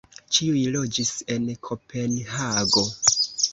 Ĉiuj loĝis en Kopenhago.